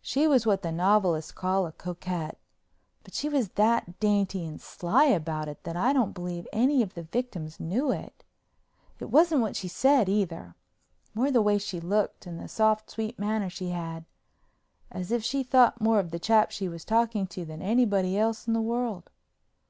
She was what the novelists call a coquette, but she was that dainty and sly about it that I don't believe any of the victims knew it. It wasn't what she said, either; more the way she looked and the soft, sweet manner she had, as if she thought more of the chap she was talking to than anybody else in the world.